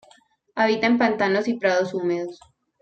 Habita en pantanos y prados húmedos.